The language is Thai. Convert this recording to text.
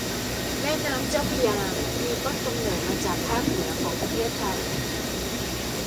แม่น้ำเจ้าพระยา มีต้นกำเนิดมาจากภาคเหนือของประเทศไทย